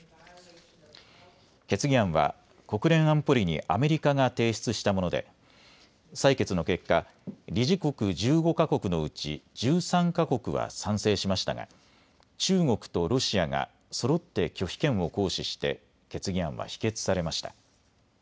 決議案は国連安保理にアメリカが提出したもので採決の結果、理事国１５か国のうち１３か国は賛成しましたが中国とロシアがそろって拒否権を行使して決議案は否決されました。